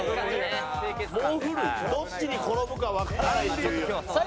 どっちに転ぶかわからないという。